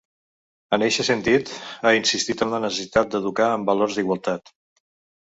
En eixe sentit, ha insistit en la necessitat d’educar en valors d’igualtat.